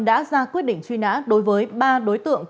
đã ra quyết định truy nã đối với ba đối tượng